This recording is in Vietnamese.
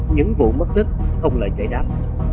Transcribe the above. những vụ mất đích không lời trả đáp